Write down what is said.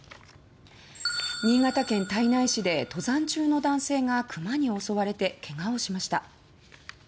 新潟県胎内市で、登山中の男性がクマに襲われてけがをしました。